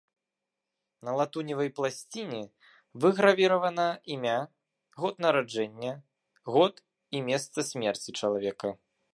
На латуневай пласціне выгравіравана імя, год нараджэння, год і месца смерці чалавека.